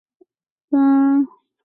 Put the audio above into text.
萨摩亚族主要居住于萨摩亚。